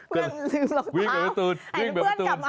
เพื่อนลืมรองเท้าหายเพื่อนกลับมา